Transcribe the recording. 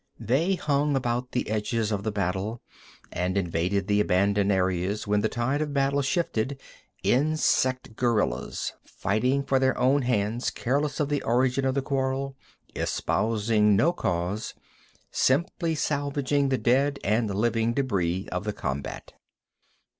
They hung about the edges of the battle, and invaded the abandoned areas when the tide of battle shifted, insect guerrillas, fighting for their own hands, careless of the origin of the quarrel, espousing no cause, simply salvaging the dead and living débris of the combat.